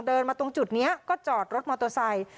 เดินมาตรงจุดนี้ก็จอดรถมอโตซัย